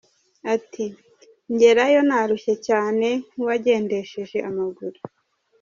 Ati “Ngerayo narushye cyane nk’uwagendehseje amaguru.